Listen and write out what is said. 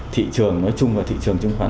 thị trường nói chung và thị trường chứng khoán